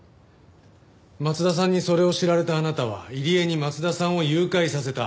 松田さんにそれを知られたあなたは入江に松田さんを誘拐させた。